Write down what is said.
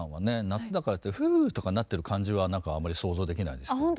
夏だからって「フゥ！」とかなってる感じは何かあんまり想像できないですけど。